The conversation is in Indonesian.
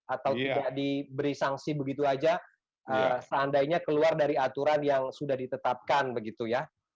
atau tidak diberi sanksi begitu saja seandainya keluar dari aturan yang sudah ditetapkan begitu ya